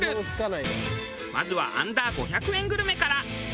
まずはアンダー５００円グルメから。